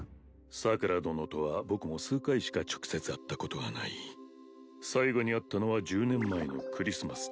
桜殿とは僕も数回しか直接会ったことがない最後に会ったのは１０年前のクリスマス